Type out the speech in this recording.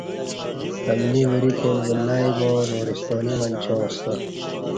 امنی وریپول ولئی با نورستانی منچاں سته